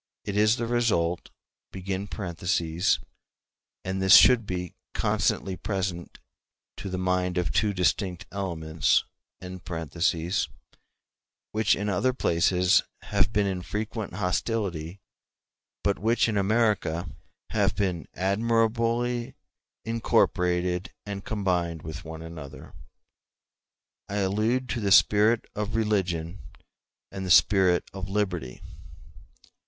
It is the result (and this should be constantly present to the mind of two distinct elements), which in other places have been in frequent hostility, but which in America have been admirably incorporated and combined with one another. I allude to the spirit of Religion and the spirit of Liberty.